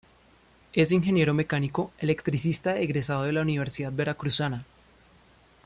Es Ingeniero Mecánico Electricista egresado de la Universidad Veracruzana.